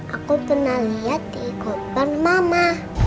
aku pernah lihat di kotak mama